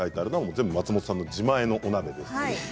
写真は全部松本さん自前のお鍋です。